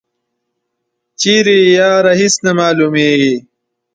چیری یی یاره هیڅ نه معلومیږي.